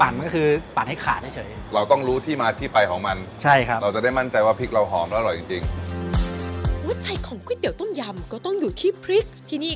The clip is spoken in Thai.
เส้นเรามีอะไรบ้างครับเส้นที่นี่